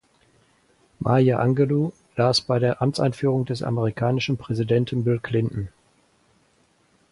Maya Angelou las bei der Amtseinführung des amerikanischen Präsidenten Bill Clinton.